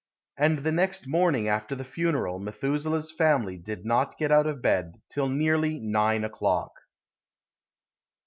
And the next morning after the funeral Methuselah's family did not get out of bed till nearly 9 o'clock.